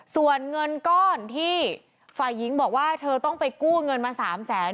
ส่วนเงินก้อนที่ฝ่ายหญิงบอกว่าเธอต้องไปกู้เงินมา๓แสน